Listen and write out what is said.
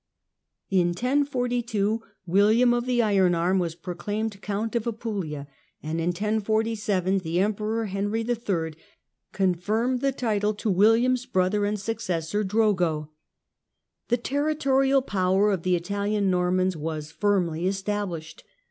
In 1042 William of the Iron Arm was proclaimed Count of Apulia, and in 1047 the Em peror Henry III. confirmed the title to William's brother and successor Drogo. The territorial power of the Italian Normans was firmly established.